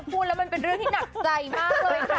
พูดแล้วมันเป็นเรื่องที่หนักใจมากเลยค่ะ